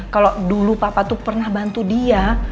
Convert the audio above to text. kalau dulu papa tuh pernah bantu dia